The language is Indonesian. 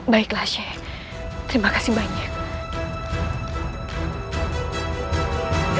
baiklah sheikh terima kasih banyak